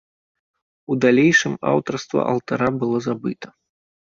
У далейшым аўтарства алтара было забыта.